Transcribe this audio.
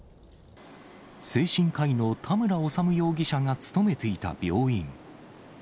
精神科医の田村修容疑者が勤めていた病院。